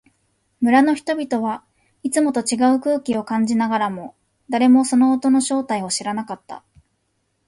村の人々はいつもと違う空気を感じながらも、誰もその音の正体を知らなかった。